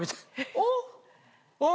おっ？